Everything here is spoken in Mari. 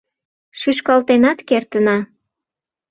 Шӱшкалтенат кертына.